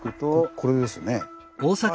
これですね。